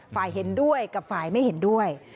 เห็นด้วยกับฝ่ายไม่เห็นด้วย